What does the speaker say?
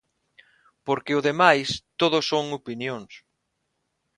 Porque o demais todo son opinións.